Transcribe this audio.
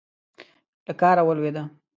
له کاره ولوېده.